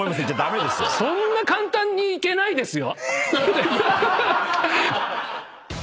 そんな簡単にいけないですよ。